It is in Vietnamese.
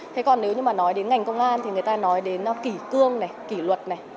thế còn nếu như mà nói đến ngành công an thì người ta nói đến kỷ cương này kỷ luật này